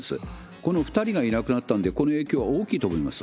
この２人がいなくなったんで、この影響は大きいと思います。